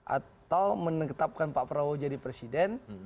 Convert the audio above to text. atau menetapkan pak prabowo jadi presiden